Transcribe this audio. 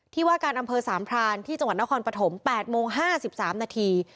ที่ว่าการอำเภอสามพรานที่จังหวัดนครปฐม๘โมง๕๓นาที